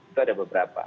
itu ada beberapa